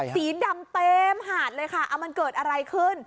สีดำเต็มหาดเลยค่ะเอามันเกิดอะไรขึ้น